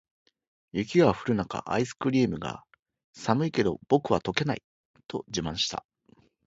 雪が降る中、アイスクリームが「寒いけど、僕は溶けない！」と自慢した。